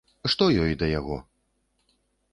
Што ёй да яго?